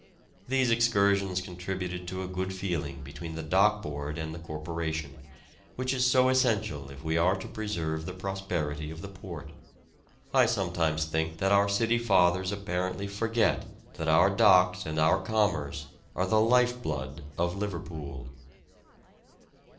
These excursions contributed to a good feeling between the Dock Board and the Corporation, which is so essential if we are to preserve the prosperity of the port. I sometimes think that our City Fathers apparently forget that our docks and our commerce are the life blood of Liverpool.